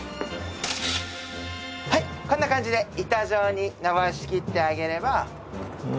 こんな感じで板状に伸ばしきってあげれば。